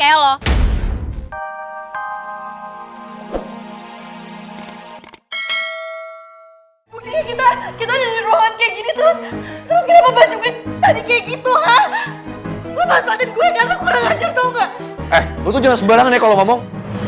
eh lo tuh jangan sembarangan ya kalau lo ngomong